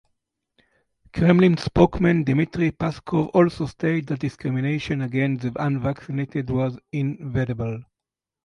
Kremlin spokesman Dmitry Peskov also stated that discrimination against the unvaccinated was inevitable.